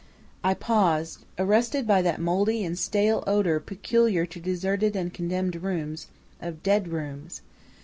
I paused, arrested by that moldy and stale odor peculiar to deserted and condemned rooms, of dead rooms.